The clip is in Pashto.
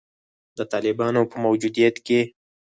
د طالبانو په موجودیت کې